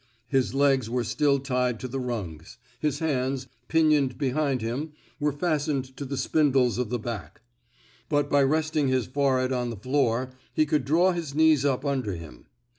His legs were still tied to the rungs; his hands, pinioned be hind him, were fastened to the spindles of the back ; but by resting his forehead on the floor, he could draw his knees up under him.